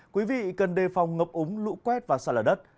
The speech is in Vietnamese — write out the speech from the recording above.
quý vị cần đề phòng ngập úng lũ quét và sạt lở đất